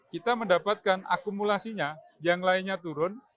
kita mendapatkan akumulasinya yang lainnya turun